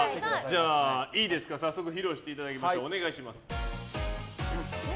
じゃあ、早速披露していただきましょう。